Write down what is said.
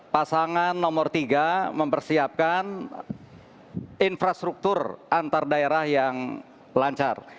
pasangan nomor tiga mempersiapkan infrastruktur antar daerah yang lancar